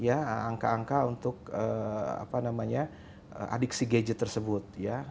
angka angka untuk adiksi gadget tersebut ya